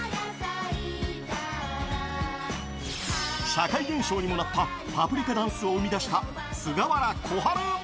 社会現象にもなったパプリカダンスを生み出した、菅原小春。